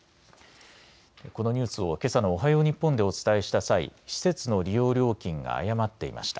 このニュースをけさのおはよう日本でお伝えした際、施設の利用料金が誤っていました。